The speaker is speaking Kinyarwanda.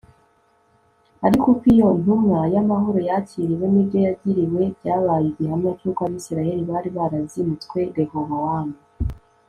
ariko uko iyo ntumwa y'amahoro yakiriwe n'ibyo yagiriwe byabaye igihamya cy'uko abisirayeli bari barazinutswe rehobowamu